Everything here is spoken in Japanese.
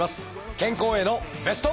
健康へのベスト。